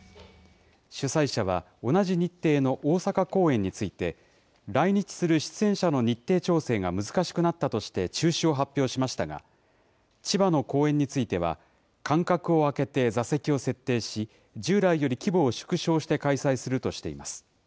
主催者は同じ日程の大阪公演について、来日する出演者の日程調整が難しくなったとして中止を発表しましたが、千葉の公演については、間隔を空けて座席を設定し、従来より規模を縮小して開催するとしています。